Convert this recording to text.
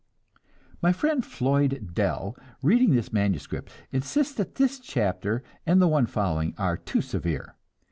My friend Floyd Dell, reading this manuscript, insists that this chapter and the one following are too severe.